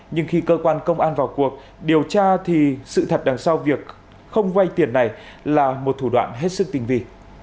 nhưng khi cơ quan công an vào cuộc điều tra thì sự thật đằng sau việc không vay tiền này là một thủ đoạn hết sức tinh vị